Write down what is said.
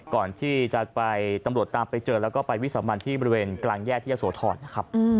ก่อนที่จะไปตำรวจตามไปเจอแล้วก็ไปวิสามันที่บริเวณกลางแยกที่ยะโสธรนะครับ